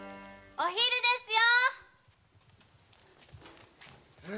お昼ですよ。